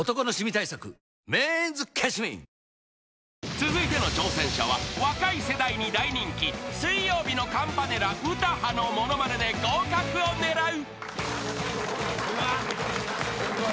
［続いての挑戦者は若い世代に大人気水曜日のカンパネラ詩羽のものまねで合格を狙う］